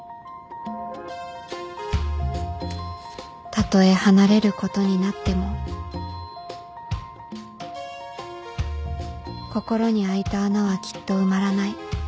たとえ離れることになっても心にあいた穴はきっと埋まらない